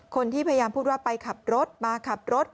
พยายามพูดว่าไปขับรถมาขับรถ